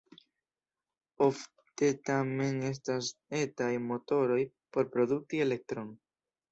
Ofte tamen estas etaj motoroj por produkti elektron.